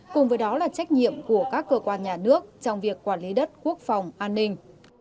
cùng với đó là trách nhiệm của các cơ quan nhà nước trong việc quản lý đất quốc phòng an ninh